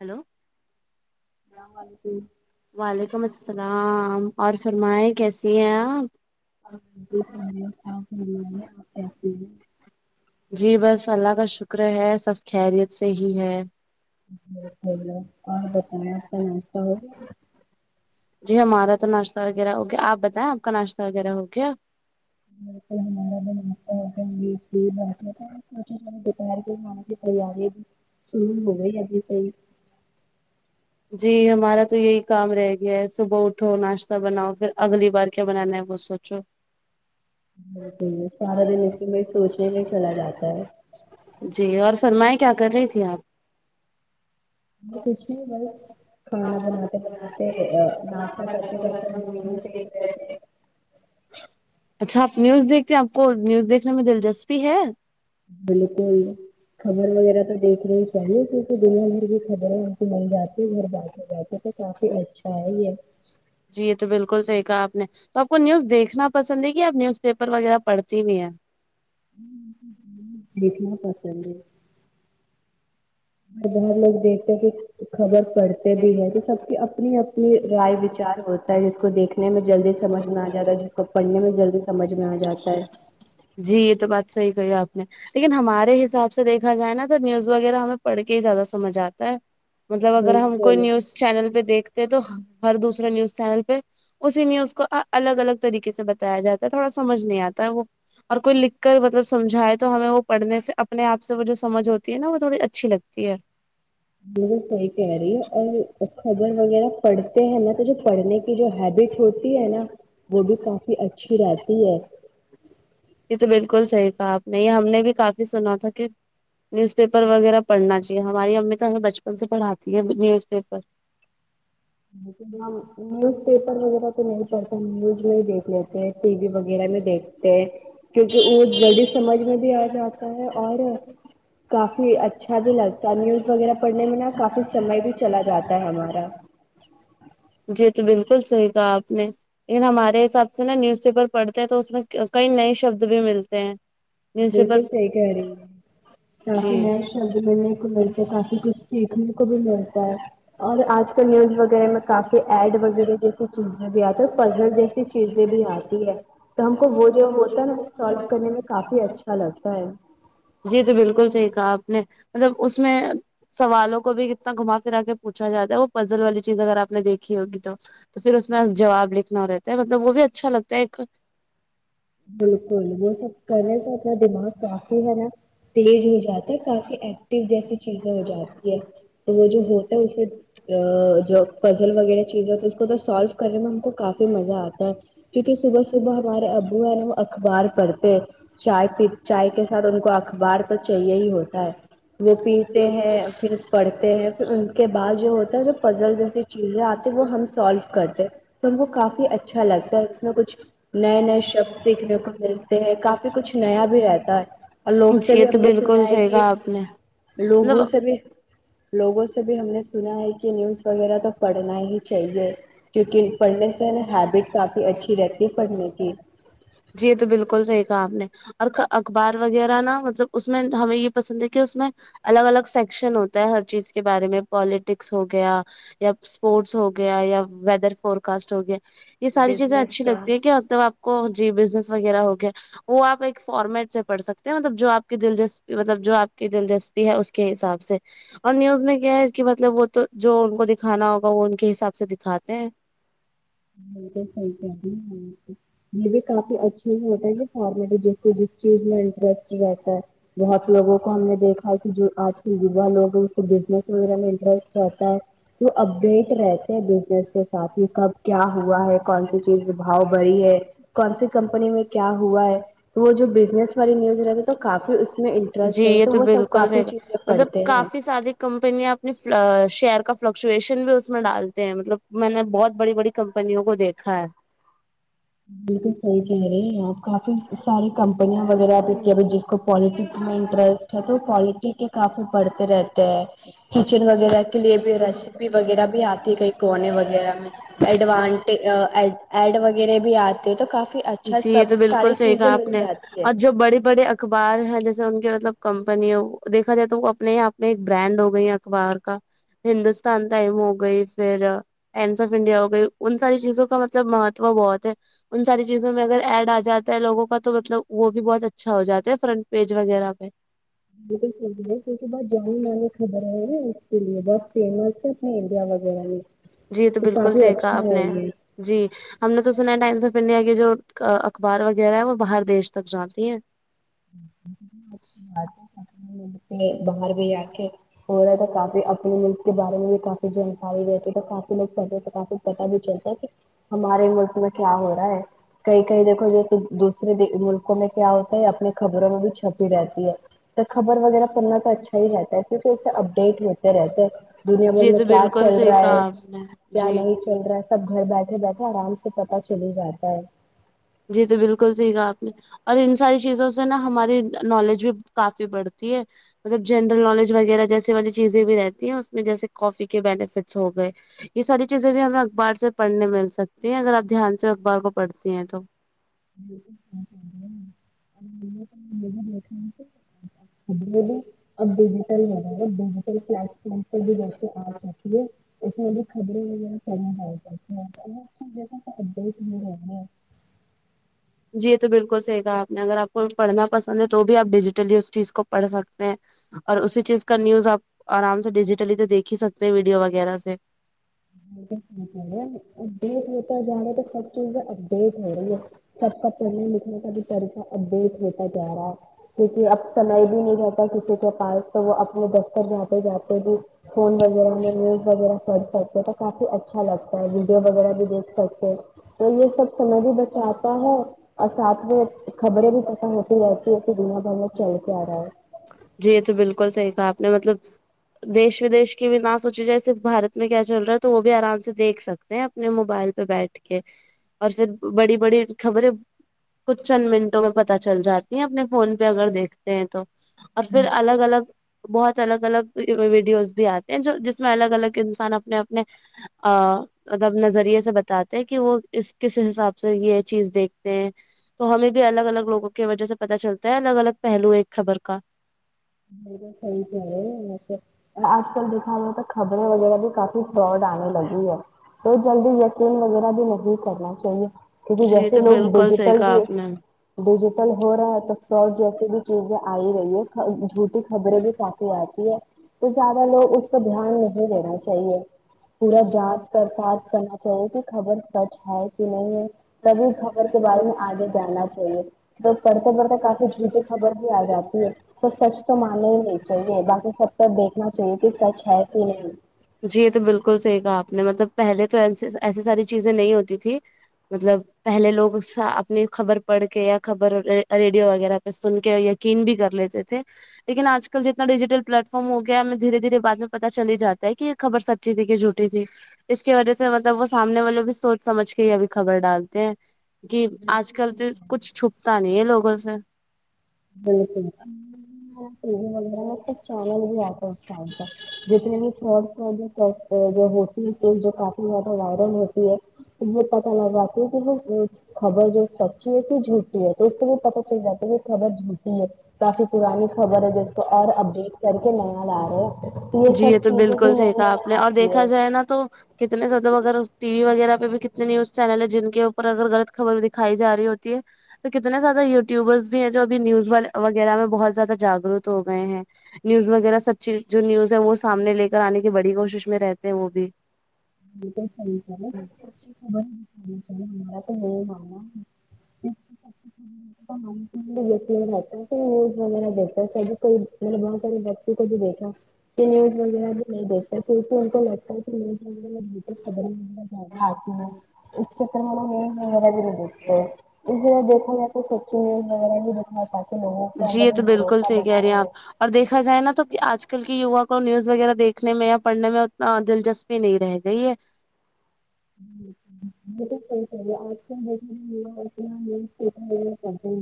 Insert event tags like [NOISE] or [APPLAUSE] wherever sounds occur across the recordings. hello اسلام علیکم وعلیکم السلام اور فرمائے کیسی ہیں آپ میں بھی خیریت آپ بتائیے آپ کسی ہیں جی بس اللہ کا شکر ہے سب خیریت سے ہی ہے لو اور بتائیں آپ کا ناشتہ ہوگیا جی ہمارا تو ناشتہ وغیرہ ہو گیا آپ بتائیں آپ کا ناشتہ وغیرہ ہو گیا [UNINTELLIGIBLE] مادے متا سوچ دوپہر کے کھانے کی تیاری شروع ہو گئی ابھی صئی جی ہمارا تو یہی کام رہ گیا ہے صبح اٹھو ناشتہ بناؤ پھر اگلی بار کیا بنانا ہے وہ اچھا بال سارا دن اسی میں سوچنے میں چلا جاتا ہے جی اور فرمائے کیا کر رہی تھی آپ میں کچھ نہیں بس کھانا بناتے بناتے ناشتہ کرتے کرتے مووی دیکھ رہے تھے اچھا آپ نیوز دیکھتے ہیں آپ کو نیوز دیکھنے میں دلچسپی ہے بالکل خبر وغیرہ تو دیکھنا ہی چاہیے کیونکہ دنیا میں بھی بر ان کو مل جاتی ہے اھر بات ہو جاتی تو کافی اچھا ہے یہ جی یہ تو بالکل صحیح کہا آپ نے تو آپ کو نیوز دیکھنا پسند ہے کہ آپ نیوز پیپر وغیرہ پڑھتی بھی ہیں دیکھنا پسند ہے ب بر لوگ دیکھتے کہ خبر پڑھتے بھی ہے تو سب کی اپنینی رائے وچار ہوتا ہے جس کو دیکنے میں جلدی سمجھ میں آ جاتا ہے جس کو پڑنے میں جلدی سمجھ میں آ جاتا ہے جی یہ تو بات صحیح کہی آپ نے لیکن ہمارے حساب سے دیکھا جائے نا تو نیوز وغیرہ ہمیں پڑھ کے ہی زیادہ سمجھ آتا ہے مطلب اگر ہم کوئی بالکل نیوز چینل پہ دیکھتے ہیں تو ہر دوسرے نیوز چینل پہ اسی میں اس کو الگ الگ طریقے سے بتایا جاتا ہے تھوڑا سمجھ نہیں آتا ہے وہ اور کوئی لکھ کر مطلب سمھائے تو ہمیں وہ پڑھنے سے اپنے آپ سے وہ جو سمجھ ہوتی ہے نا وہ تھوڑی اچھی لگتی ہے بلکل صحی کہہ رہی ہے اور خبر وغیرہ پڑھتے ہیں نا تو جو پڑھنے کے کی جو ہیبٹ ہوتی ہے نا وہ بھی کافی اچھی رہتی ہے یہ تو بالکل صحیح تھا آپ نے یہ ہم نے بھی کافی سنا تھا کہ نیوز پیپر وغیرہ پڑھنا چاہیے ہماری امی تو ہمیں بچپن سے پڑھاتی ہے نیوز پیپر اں نیوز پیپر وغیرہ تو نہیں پڑتے نیوز میں ہی دیکھ لیتے ہیں ٹی وی وغیرہ میں دیکھ کیونکہ وہ جلدی سمجھ میں بھی آ جاتا ہے اور کافی اچھا بھی لگتا ہے نیوز وغیرہ پڑھنے میں نا کافی سمئے بھی چلا جاتا ہے ہمارا جی تو بالکل صحیح کہا آپ نے لیکن ہمارے حساب سے نا نیوز پیپر پڑھتے ہیں تو اس میں کئی نئے شبد بھی ملتے ہیں نیوز پیپر بالکل صحیح کہہ رہی کافی جی نئے شبد ملنے کو ملتے کافی کچھ سیکھنے کو بھی ملتا ہے اور آج کل نیوز وغیرہ میں کافی ایڈ وغیرہ جیسی چیزیں بھی آتی ہے پزل جیسی چیزیں بھی آتی ہے تو ہم کو وہ جو ہوتا ہے نا وہ سولو کرنے میں کافی اچھا لگتا ہے جی تو بالکل صحیح کہا آپ نے مطلب اس میں سوالوں کو بھی کتنا گھما پھررا کے پوچھا جاتا ہے وہ پزل والی چیز اگر آپ نے دیکھی ہوگی تو تو پھر اس میں جواب لکھنا رہتا ہے مطلب وہ بھی اچھا لگتا ہے ایک بالکل وہ سب کریں تو اپنا دماغ کافی ہے نا تیز ہو جاتا ہے کافی ایکٹو جیسی چیزیں ہو جاتی ہے تو وہ جو ہوتا ہے اسے جو پزل وغیرہ چیزیںتی اس کو تو سالو کرنے میں ہم کو کافی مزہ آتا ہے کیونکہ صبح صبح ہمارے ابو ہیں ن وہ اخبار پڑھتے چائے پی چائے کے ساتھ ان کو اخبار تو چاہیے ہی ہوتا ہے وہ پیتے ہیں پھر پڑتے ہیں پھر ان کے بعد جو ہوتا ہے جو پزل جیسی چیزیں آتی وہ ہم سالو کرتے تو ہم وہ کافی اچھا لگتا ہے اس میں کچھ نئے نئے شب کو ملتے ہیں کافی کچھ نیا بھی رہتا ہے اور لوگ سے جی یہ بھی ہم تو نے سنا بالکل ہے صحیح کہ کہا آپ نے لوگوں مطلب سے بھی لوگوں سے بھی ہم نے سنا ہے کہ نیوز وغیرہ تو پڑھنا ہی چاہیے کیونکہ پڑھنے سے نا ہیبٹ کافی اچھی رہتی ہے پڑھنے کی جی یہ تو بالکل صحیح کہا آپ نے اور اخبار وغیرہ نا مطلب اس میں ہمیں یہ پسند ہے کہ اس میں الگ الگ سیکشن ہوتا ہے ہر چیز کے بارے میں پالیٹکس ہو گیا یا اسپورٹس ہو گیا یا ویدر فور کاسٹ ہو گیا یہ ساری چیزیں اچھی بزنس لگتی ہیں کہ مطلب آپ کو جی بزنس وغیرہ ہو گیا وہ آپ ایک فارمیٹ سے پڑھ سکتے ہیں مطلب جو آپ کی دلچسپی مطلب جو آپ کی دلچسپی بھی ہے اس کے حساب سے اور نیوز میں کیا ہے کہ مطلب وہ تو جو ان کو دکھانا ہوگا وہ ان کے حساب سے دکھاتے ہیں [UNINTELLIGIBLE] یہ بھی کافی اچھے ہوتا ہے کہ فارمیٹ جس کو جس چیز میں انٹرسٹ رہتا ہے بہت لوگوں کو ہم نے دیکھا ہے کہ جو آج کل لوگ ہیں اس کو بزنس وغیرہ میں انٹرسٹ رہتا ہے تو اپڈیٹ رہتے ہیں بزنس کے ساتھ ہی کب کیا ہوا ہے کون سی چیز بھؤ بڑی ہے کون سی کمپنی میں کیا ہوا ہے وہ جو بزنس والی نیوز رہتی تو کافی اس میں جی انٹرسٹ رہتا یہ تو وہ سب کافی چیزیں پڑھتے ہیں کمپنییاں اپنی شیئر کا فلکچویشن بھی اس میں ڈالتے ہیں مطلب میں نے بہت بڑی بڑی کمپنیوں کو دیکھا ہے بالکل صحیح کہہ رہے ہے آپ کافی ساری کمپنیاں وغیرہ بھی کی جس کو پالیٹکس میں انٹرسٹ اچھا تو کوالٹی کے کافی بڑھتے رہتے ہیں کچن وغیرہ کے لیے بھی ریسیپی وغیرہ بھی آتی ہے کہیں کونے وغیرہ میں ایڈوانس آ ایڈ ایڈ وغیرہ بھی آتے تو کافی اچھا جی یہ سب تو بالکل ساری صحیح چیزیں کہا آپ مل نے جاتی ہے اور جو بڑے بڑے اخبار ہے جیسے ان کی مطلب کمپنی ہے دیکھا جائے تو وہ اپنے یہاں اپ میں ایک برانڈ ہو گئی ہیں اخبار کا ہندوستان ٹائم ہو گئی فر ٹمس آف انڈیا ہو گئی ان ساری چیزوں کا مطلب مہتو بہت ہے ان ساری چیزوں میں اگر ایڈ آ جاتا ہے لوگوں کا تو مطلب وہ بھی بہت اچھا ہو جا ہے فرنٹ پیج وغیرہ پہ بالکل س کیہ بہت جان مانی خبر ہے نا اس کے لیے بہت فیمس ہے اپنا انڈیا میں جی یہ تو بالکل کافی صحیح کہا اچھا آپ ہے نے یہ جی ہم نے تو سنا ہے ٹائمس آف انڈیا کے جو آ اخبار وغیرہ ہے وہ باہر دیش تک جانی ہیں باہر بھی آ کے ہو رہا تھا کافی اپنے کے بارے میں بھی کافی جانکاری رہتی ہے تو کافی لوگ چڑتے تو کافی پتا بھی چلتا س ہمارے ملک میں کیا ہو رہا ہے کہیں کہیں دیکھو جو دوسرے ملکوں میں کیا ہوتا ہے اپنے خبروں میں بھی چھپی رہتی ہے تو خبر وغیرہ پڑھنا تو اچھا ہی رہتا ہے کیونکہ اس سے اپڈیٹ ہوتے رہتے ہیں دنیا بھر جی میں تو کیا بالکل چل صحیح رہا ہے کہا آپ نے کیا جی نہیں چل رہا ہے سب گھر بیٹھے بیٹھے آرام سے پتاہ چل ہی جاتا ہے جی تو بالکل صحیح کہہ آپ نے اور ان ساری چیزوں سے نا ہماری نالج بھی کافی بڑھتی ہے مطلب جنرل نالج وغیرہ جیسے والی چیزیں بھی رہتی ہیں اس میں جیسے کافی کے بینیفٹس ہو گئے یہ ساری چیزیں بھی ہمیں اخبار سے پڑھنے میں مل سکتی ہیں اگر آپ دھیان سے اخبار کو پڑھتی ہیں تو [UNINTELLIGIBLE] اب ڈیجیٹل وغیرہ ڈیجیٹل پلیٹ فارم پر بھی جیسے آ سکے اس لیے خبریں و پڑھنا چاہتے [UNINTELLIGIBLE] جی یہ تو بالکل صحیح کہہ آپ نے اگر آپ کو پڑھنا پسند ہے تو بھی آپ ڈیجیٹلی اس چیز کو پڑھ سکتے ہیں اور اسی چیز کا نیوز آپ آرام سے ڈیجیٹلی تو دیکھ ہی سکتے ہیں ویڈیو وغیرہ سے وہ تو ٹھیک ہے اپڈیٹ ہوتا جا رہا ہے تو سب چیز اپڈیٹ ہو رہی ہے سب کا پڑھنے لکھنے کا بھی طریقہ اپڈیٹ ہوتا جا رہا ہے کیونکہ اب سمجھ بھی نہیں رہتا اور کسی کے پاس تو وہ اپنے دفتر جاتے جاتے بھی فون وغیرہ میں نیوز وغیرہ پڑ سکتے کافی اچھا لگتا ہے ویڈیو وغیرہ بھی دیکھ سکتے تو یہ سب سمجھ بھی اجاتا ہے اور ساتھ میں خبریں بھی پتہ ہوتی رہتی ہے کہ دنیا بھر میں چل کے آ رہا ہے جی یہ تو بالکل صحیح کہا آپ نے مطلب دیش ودیش کی بھی نہ سونچی جائے صرف بارت میں کیا چل رہا ہے تو وہ بھی آرام سے دیکھ سکتے اپنے موبائل پہ بیٹھ کے اور پھر بڑی بڑی خبریں کچھ چند منٹوں میں پتہ چل جاتی ہیں اپنے فون پہ اگر دیکھتے ہیں تو اور پھر الگ الگ بہت الگ الگ ویڈیوز بھی آتے ہیں جو جس میں الگ الگ انسان اپنے اپنے آ مطلب نظریے سے بتاتے ہیں کہ وہ اس کس حساب سے یہ چیز دیکھتے تو ہمیں بھی الگ الگ لوگوں کی وجہ سے پت چلتا ہے الگ الگ پہلو ہے ایک خبر کا بالکل صحیح کہ راہےمطلب ویسے آج کل دیکھا ہا تو خبریں وغیرہ بھی کافی فاڈ آنے لگی ہے تو جلدی یقین وغیرہ بھی نہیں کرنا چاہیے کیونکہ جی تو جیسے لوگ بالکل صحیح ڈیجیٹل کہا بھی آپ نے ڈیجیٹل ہو رہا ہے تو فراڈ جیسی بھی چیزیں آ ہی رہی ہے خبریں بھی کافی آتی ہے تو زیادہ لوگ اس پر دھیان نہیں دینا چاہیے پورا جان برتال کرنا چاہیے کہ خبر سچ ہے کہ نہیں ہے تبھی خبر کے بارے میں آگے جاننا چاہیے تو پڑھتے پڑھتے کافی جھوٹی خبر بھی آ جاتی ہے تو سچ تو ماننا ہی نہیں چاہیے باقی سب تب دیکھنا چاہیے کہ سچ ہے کہ نہیں جی یہ تو بالکل صحیح کہا آپ نے مطلب پہلے تو ایسی ساری چیزیں نہیں ہوتی تھی مطلب پہلے لوگ اپنی خبر پڑھ کے یا خبر ریڈیو وغیرہ پہ سن کے یا یقین بھی کر لیتے تھے لیکن آج کل جتنا ڈیجیٹل پلیٹ فارم ہو گیا ہے ہمیں دھیرے دھیرے بعد میں پاتا چال ہی جاتا ہے کی خبر سچی تھی کہ جھوٹی تھی اس کی وجہ سے مطلب وہ سامنے والے بھی سونچ سمجھ کے یہ ابھی خبر ڈالتے ہیں کہ آج کل سے کچھ چھپتا نہیں ہے لوگوں سے بالکل چینل بھی آتا ہے اس ٹائم کا جتنے بھی فروڈ جو ہوتی پیج جو کافی زیادہ وائرل ہوتی ہے یہ پتا لگا تے ہے وہ خبر جو سچی ہے کہ جھوٹٹی ہے تو است بھی پتا چل جاتا ہے کہ خبر سچی ہے کافی پرانی خبر ہے جس کو اور اپڈیٹ کر کے نیا لا رہے ہیں جی یہ سب تو چیزیں بھی بالکل نئی سیکھا نئی آپ نے آ اور رہی دیکھا ہے جائے نا تو کتنے زیادہ اگر ٹی وی وغیرہ پہ بھی کتنے نیوز چینل ہے جن کے اوپر اگر غلط خبر دکھائی رہی ہوتی ہے تو کتنے زیادہ یوٹیوبرس بھی ہیں جو ابھی نیوز والے وغیرہ میں بہت زیادہ جاگروت ہو گئے ہیں نیوز وغیرہ سچی جو نیوز ہے وہ سامنے لے کر آنے کی بڑی کوشش میں رہتے ہیں وہ بھی یہ تو صحیح کہا آپ نے [UNINTELLIGIBLE] [UNINTELLIGIBLE] میں نے بہت سارے بچوں کو بھی دیکھا کہ نیوز وغیرہ بھی نہیں دیکھتا اس میں ان کو لگتا ہے کی [UNINTELLIGIBLE] اس چکر میں وہ نیوز وغیرہ بھی نہیں دیکھتے اس طرح دیکھا جائے تو سوچ وغیرہ بھی دیکھنا چاہے لوگوں کے جی یہ اندر بھی تو بالکل بھروسہ صحیح کہہ بنا رہی ہیں آپ رہے اور دیکا جائے نا تو آج کل کی یوا کو نیوز وغیرہ دیکھنے میں یا پڑھنے میں اتنا دلچسپی نہیں رہ گئی ہے یہ تو سہی کہ رہی ہے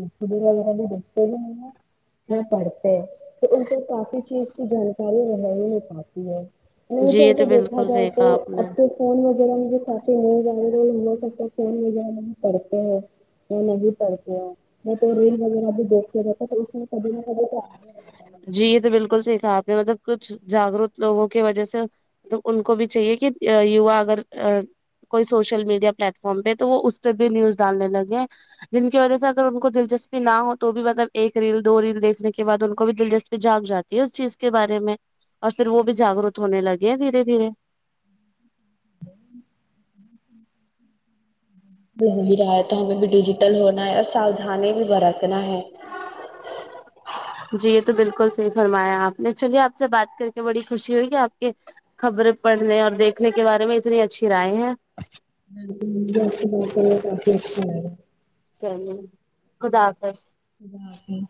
[UNINTELLIGIBLE] ویڈیو وغیرہ دیکھتے بھی نہیں ہے وہ پڑھتے ہیں تو ان پر کافی چیز کی جانکاری رہنے نہیں پاتی ہے نہیں جی تو یہ ایسا دیکھا بالکل جائے صحیح تو کہا آپ نے اب تو فون وغیرہ مجھے [UNINTELLIGIBLE] میں تو ریل وغیرہ بھی دیکھتے رہتے تو اس نے کبھی نہ کبھی تو آ جی یہ تو بالکل صحیح کہا آپ نے مطلب کچھ جاگروت لوگوں کی وجہ سے تو ان کو بھی چاہیے کہ یوا اگر کوئی سوشل میڈیا پلیٹ فارم پہ تو وہ اس پہ بھی نیوز ڈالنے لگے ہیں جن کی وجہ سے اگر ان کو دلچسپی نہ ہو تو بھی مطلب ایک ریل دو ریل دیکھنے کے بعد ان کو کو بھی دلچسپی جھاگ جاتی ہے اس چیز کے بارے میں اور پھر وہ بھی جاگروت ہونے لگے ہیں دھیرے دھیرے بھی رہتا ہے تو ہمیں بھی ڈیجیٹل ہونا ہے اور ساودھانی بھی برتنا ہے جی یہ تو بالکل صحیح فرمایا آپ نے چلیے آپ سے بات کر کے بڑی خوشی ہوگی آپ کے خبریں پڑھنے اور دیکھنے کے بارے میں اتنی اچھی رائیں ہیں ہاں مجھےبھی آپ سے بات کرکے کافی اچھا لگا صحیح خدا حافظ خدا حافظ